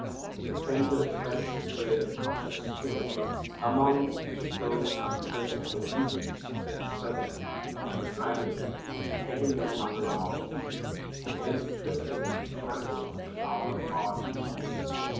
The tempter threads his way with cautious skill among those unpleasant allusions to the serpent, and the dragon, and getting them under our feet, and then twisting and trampling with our hard heels.